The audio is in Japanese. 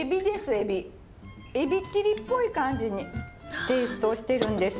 エビチリっぽい感じにテイストしてるんです。